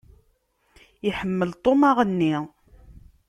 Iḥemmel Tom aɣenni.